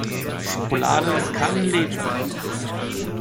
Schokolade kann Leben retten!